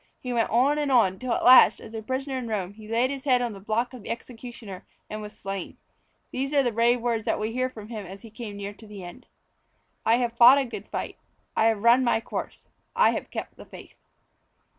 He went on and on till at last, as a prisoner in Rome, he laid his head on the block of the executioner and was slain. These are the brave words that we hear from him as he came near to the end: ++| I HAVE FOUGHT A GOOD FIGHT; || I HAVE RUN MY COURSE; || I HAVE KEPT THE FAITH.